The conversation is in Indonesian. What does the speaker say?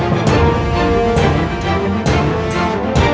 biar kan saja